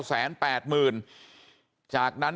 บอกแล้วบอกแล้วบอกแล้ว